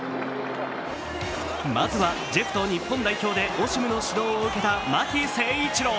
まずはジェフと日本代表でオシムの指導を受けた巻誠一郎。